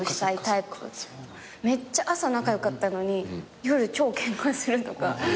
めっちゃ朝仲良かったのに夜超ケンカするとか。